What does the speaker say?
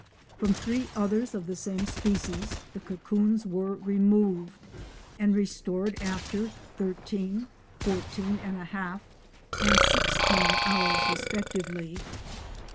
From three others of the same species the cocoons were removed and restored after thirteen, fourteen and a half, and sixteen hours respectively.